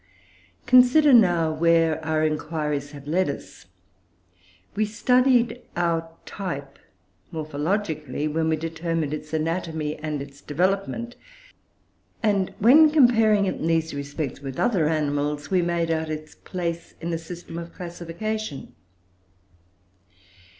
Consider, now, where our inquiries have led us. We studied our type morphologically, when we determined its anatomy and its development, and when comparing it, in these respects, with other animals, we made out its place in a system of classification.